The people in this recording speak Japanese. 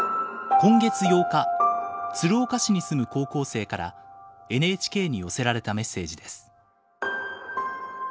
今月８日鶴岡市に住む高校生からＮＨＫに寄せられたメッセージです。